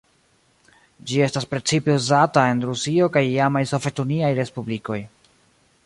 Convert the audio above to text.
Ĝi estas precipe uzata en Rusio kaj iamaj Sovetuniaj Respublikoj.